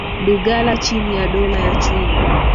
Lugala chini ya dola ya Choma